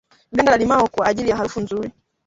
Ganda la limao kwa ajili ya harufu nzuri